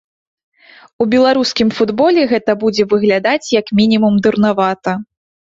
У беларускім футболе гэта будзе выглядаць як мінімум дурнавата.